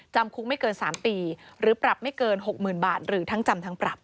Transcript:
จำคุกไม่เกิน๓ปีหรือปรับไม่เกิน๖๐๐๐บาทหรือทั้งจำทั้งปรับ